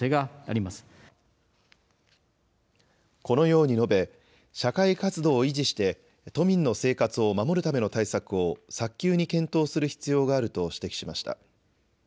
このように述べ社会活動を維持して都民の生活を守るための対策を早急に検討する必要があると指摘しました。